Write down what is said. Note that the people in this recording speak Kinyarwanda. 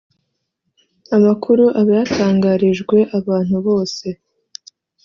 amakuru aba yatangarijwe abantu bose